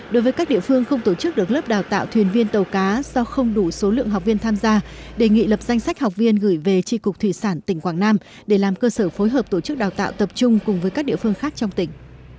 đối với các địa phương không tổ chức được lớp đào tạo thuyền viên tàu cá do không đủ số lượng học viên tham gia đề nghị lập danh sách học viên gửi về tri cục thủy sản tỉnh quảng nam để làm cơ sở phối hợp tổ chức đào tạo tập trung cùng với các địa phương khác trong tỉnh